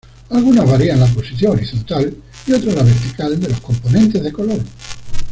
Algunas varían la posición horizontal y otros la vertical de las componentes de color.